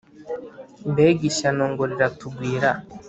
Mbega ishyano ngo riratugwira